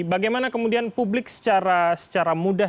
bagaimana kemudian publik secara mudah